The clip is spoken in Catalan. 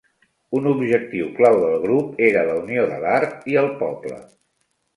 Un objectiu clau del grup era la unió de l'art i el poble.